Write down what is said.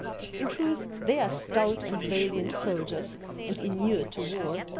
In truth they are stout and valiant soldiers and inured to war.